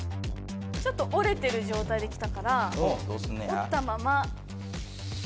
ちょっと折れてる状態できたから折ったまま置く。